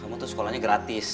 kamu tuh sekolahnya gratis